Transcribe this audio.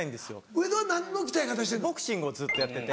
上田は何の鍛え方してんの？